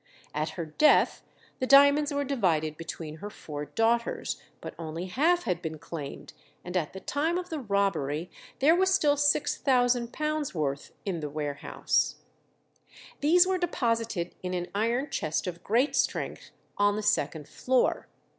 At her death the diamonds were divided between her four daughters, but only half had been claimed, and at the time of the robbery there were still £6000 worth in the warehouse. These were deposited in an iron chest of great strength on the second floor.